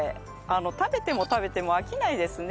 食べても食べても飽きないですね。